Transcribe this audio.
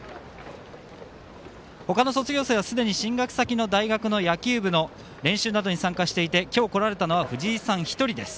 他の卒業生はすでに進学先の大学の野球部の練習などに参加していて今日来られたのは藤井さん１人です。